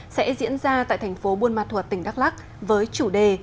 sẽ diễn ra tại thành phố buôn ma thuật tỉnh đắk lắc với chủ đề